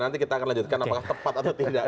nanti kita akan lanjutkan apakah tepat atau tidak